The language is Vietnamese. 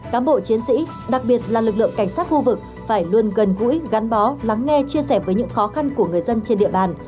cám bộ chiến sĩ đặc biệt là lực lượng cảnh sát khu vực phải luôn gần gũi gắn bó lắng nghe chia sẻ với những khó khăn của người dân trên địa bàn